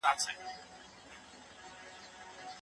مدافع وکیلان په اوسني حکومت کي بشپړ استازي نه لري.